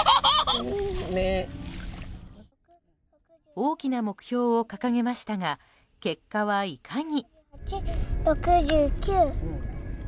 大きな目標を掲げましたが結果はいかに？